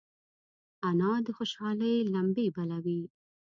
انا د خوشحالۍ لمبې بلوي